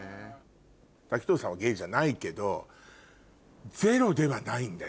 滝藤さんはゲイじゃないけどゼロではないんだよ。